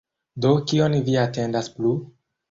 Do, kion vi atendas plu?